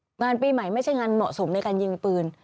งานปีใหม่ไม่ใช่งานเหมาะสมในการยิงปืน